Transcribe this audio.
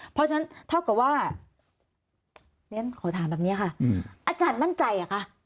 เพราะฉะนั้นเท่ากับว่าเรียนขอถามแบบนี้ค่ะอาจารย์มั่นใจเหรอคะ